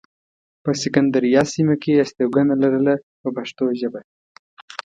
په سکندریه سیمه کې یې استوګنه لرله په پښتو ژبه.